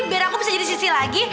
biar aku bisa jadi sisi lagi